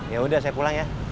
yaudah saya pulang ya